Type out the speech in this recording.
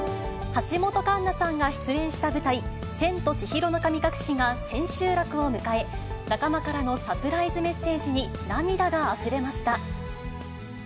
橋本環奈さんが出演した舞台、千と千尋の神隠しが千秋楽を迎え、仲間からのサプライズメッセージに、涙があふれました。